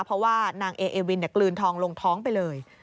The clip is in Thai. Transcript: เพราะว่านางเอเอวินกลืนทองลงท้องไปเลย